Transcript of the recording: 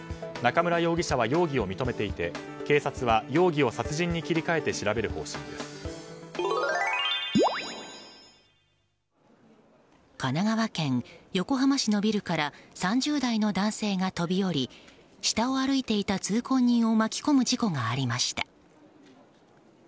中村容疑者は容疑を認めていて警察は容疑を殺人に切り替えて神奈川県横浜市のビルから３０代の男性が飛び降り下を歩いていた通行人を巻き込む事故がありました。